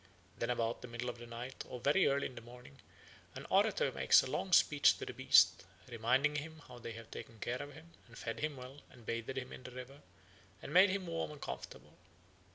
Then about the middle of the night or very early in the morning an orator makes a long speech to the beast, reminding him how they have taken care of him, and fed him well, and bathed him in the river, and made him warm and comfortable.